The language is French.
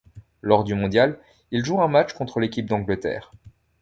Lors du mondial, il joue un match contre l'équipe d'Angleterre.